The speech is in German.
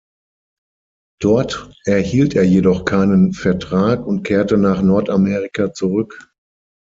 Dort erhielt er jedoch keinen Vertrag und kehrte nach Nordamerika zurück.